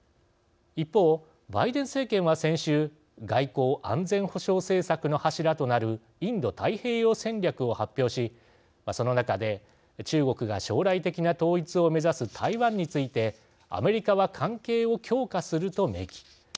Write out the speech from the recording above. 一方、バイデン政権は先週外交・安全保障政策の柱となるインド太平洋戦略を発表しその中で、中国が将来的な統一を目指す台湾についてアメリカは関係を強化すると明記。